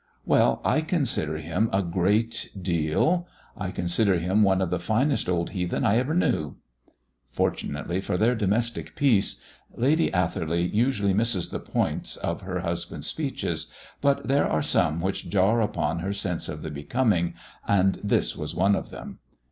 "Well, I consider him a great deal. I consider him one of the finest old heathen I ever knew." Fortunately for their domestic peace, Lady Atherley usually misses the points of her husband's speeches, but there are some which jar upon her sense of the becoming, and this was one of them.